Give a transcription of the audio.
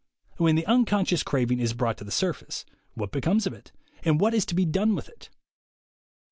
When the unconscious craving is brought to the surface, what becomes of it and what is to be done with it?